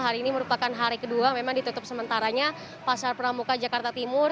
hari ini merupakan hari kedua memang ditutup sementaranya pasar pramuka jakarta timur